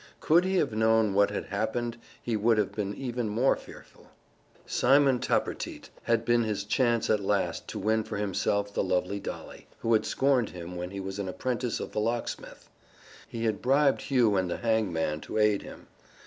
Could he have known what had happened he would have been even more fearful. Simon Tappertit had seen his chance at last to win for himself the lovely Dolly, who had scorned him when he was an apprentice of the locksmith. He had bribed Hugh and the hangman to aid him.